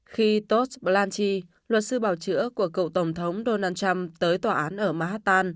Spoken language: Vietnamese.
khi todd blanchie luật sư bảo chữa của cậu tổng thống donald trump tới tòa án ở manhattan